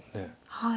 はい。